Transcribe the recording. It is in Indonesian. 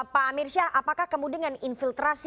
pak amir syah apakah kemudian infiltrasi